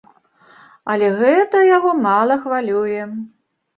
Але гэта яго мала хвалюе.